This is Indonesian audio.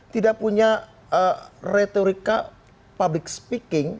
tidak punya retorika public speaking